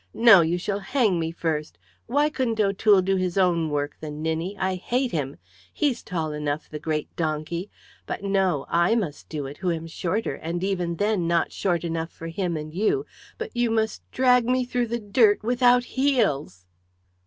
No, you shall hang me first! Why couldn't O'Toole do his own work, the ninny, I hate him! He's tall enough, the great donkey; but no, I must do it, who am shorter, and even then not short enough for him and you, but you must drag me through the dirt without heels!"